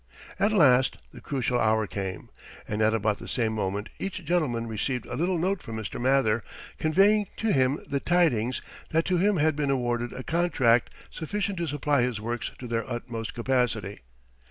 At last the crucial hour came, and at about the same moment each gentleman received a little note from Mr. Mather, conveying to him the tidings that to him had been awarded a contract sufficient to supply his works to their utmost capacity.